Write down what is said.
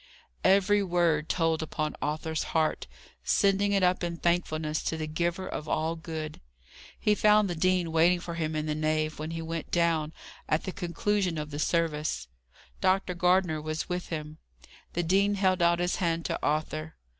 Every word told upon Arthur's heart, sending it up in thankfulness to the Giver of all good. He found the dean waiting for him in the nave, when he went down at the conclusion of the service. Dr. Gardner was with him. The dean held out his hand to Arthur.